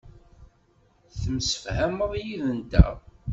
Temsefhameḍ yid-nteɣ.